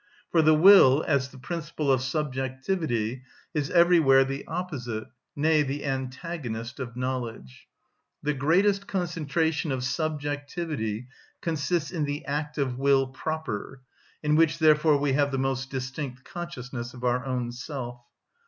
For the will, as the principle of subjectivity, is everywhere the opposite, nay, the antagonist of knowledge. The greatest concentration of subjectivity consists in the act of will proper, in which therefore we have the most distinct consciousness of our own self.